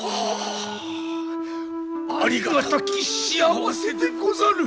ありがたき幸せでござる！